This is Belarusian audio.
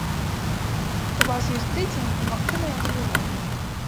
У вас ёсць тыдзень, і, магчыма, я дажыву.